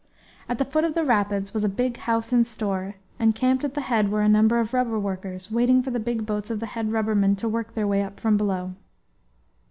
At the foot of the rapids was a big house and store; and camped at the head were a number of rubber workers, waiting for the big boats of the head rubbermen to work their way up from below.